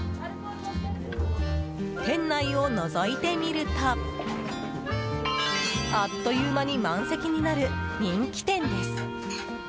店内をのぞいてみるとあっという間に満席になる人気店です。